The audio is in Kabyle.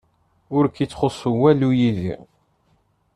Ur k-ittxuṣṣu walu yid-i.